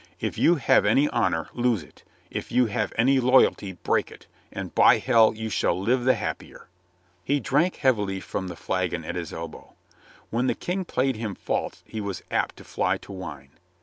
If you have any honor, lose it; if you have any loyalty break it, and by hell, you shall live the happier." He drank heavily from the flagon at his elbow. When the King played him false he was apt to fly to wine.